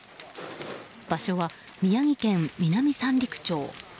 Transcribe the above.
場所は宮城県南三陸町。